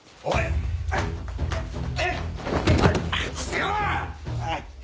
おい！